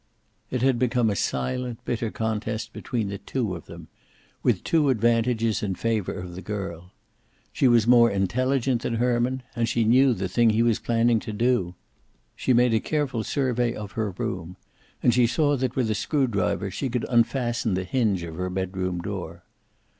It had become a silent, bitter contest between the two of them, with two advantages in favor of the girl. She was more intelligent than Herman, and she knew the thing he was planning to do. She made a careful survey of her room, and she saw that with a screw driver she could unfasten the hinge of her bedroom door.